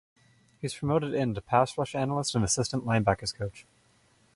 He was promoted in to pass rush analyst and assistant linebackers coach.